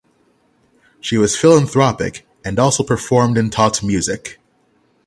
She was philanthropic and also performed and taught music.